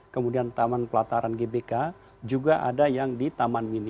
kemudian taman pelataran gbk juga ada yang di taman mini